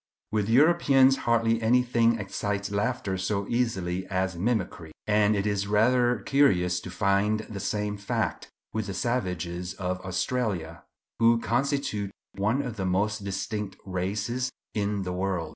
With Europeans hardly anything excites laughter so easily as mimicry; and it is rather curious to find the same fact with the savages of Australia, who constitute one of the most distinct races in the world.